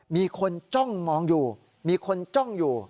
มีคนจ้องมองอยู่มีคนจ้องอยู่